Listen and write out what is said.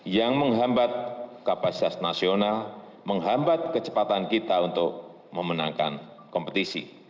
yang menghambat kapasitas nasional menghambat kecepatan kita untuk memenangkan kompetisi